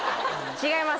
違います。